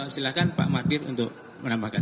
silahkan pak mardir untuk menambahkan